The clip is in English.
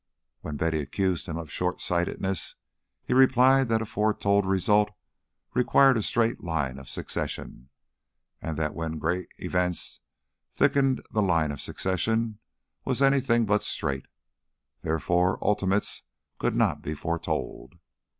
When Betty accused him of short sightedness, he replied that a foretold result required a straight line of succession, and that when great events thickened the line of succession was anything but straight; therefore ultimates could not be foretold.